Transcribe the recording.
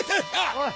おい！